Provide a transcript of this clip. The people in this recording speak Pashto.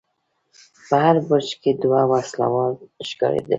په هر برج کې دوه وسلوال ښکارېدل.